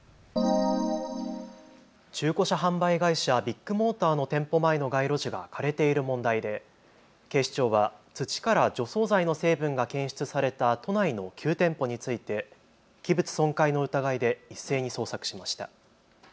中古車販売会社、ビッグモーターの店舗前の街路樹が枯れている問題で警視庁は土から除草剤の成分が検出された都内の９店舗について器物損壊の疑いで一斉に捜索しました。